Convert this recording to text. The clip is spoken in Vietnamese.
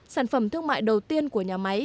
sản phẩm thương mại đầu tiên của nhà máy